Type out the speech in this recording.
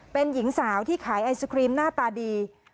เป็นหญิงสาวที่ขายไอศครีมหน้าตาดี